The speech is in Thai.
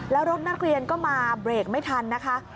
แล้วรถนักเรียนก็มาเบรกไม่ทันนะคะ